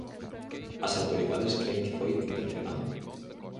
As autoridades cren que foi intencionado.